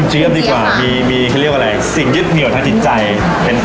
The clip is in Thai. เจี๊ยบดีกว่ามีอะไรสิ่งที่เป็นหนึ่งวันนี้ที่จะมีการทั้ะธีะใจเป็นอะไร